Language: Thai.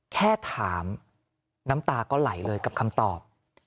แค่ถามน้ำตาก็ไหลเลยกับคำตอบ